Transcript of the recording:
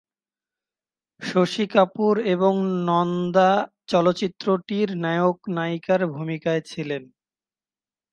শশী কাপুর এবং নন্দা চলচ্চিত্রটির নায়ক-নায়িকার ভূমিকায় ছিলেন।